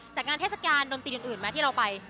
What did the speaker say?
จากงานเทศกาลดนตรีอื่นมาที่เราไป